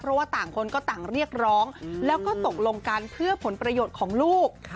เพราะว่าต่างคนก็ต่างเรียกร้องแล้วก็ตกลงกันเพื่อผลประโยชน์ของลูก